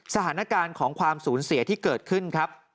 สถานการณ์ของความสูญเสียที่เกิดขึ้นครับ